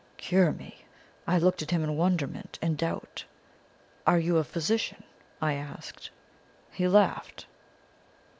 "Cure me? I looked at him in wonderment and doubt. "'Are you a physician?' I asked. "He laughed.